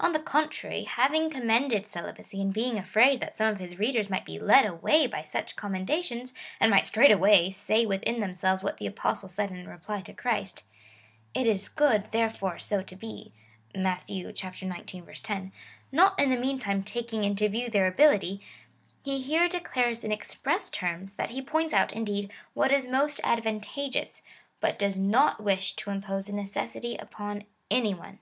On the contrary, having commended celibacy, and being afraid that some of his readers might be led away by such commendations, and might straightway say within them selves what the Apostles said in reply to Christ — It is good, therefore, so to he, (Matt. xix. 10)^ — not in the meantime taking into view their ability, he here declares in express terms, that he points out, indeed, what is most advantageous, but does not wish to impose a necessity upon any one.